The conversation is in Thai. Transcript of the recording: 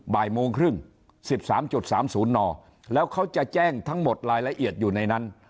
บ่ายโมงครึ่ง๑๓๓๐นแล้วเขาจะแจ้งทั้งหมดรายละเอียดอยู่ในนั้น